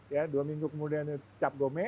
ya dua minggu kemudian cap gome